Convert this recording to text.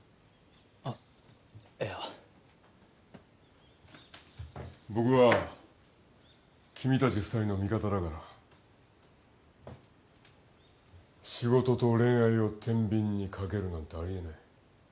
あっいや僕は君達二人の味方だから仕事と恋愛をてんびんにかけるなんてありえない